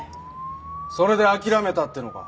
それで諦めたっていうのか？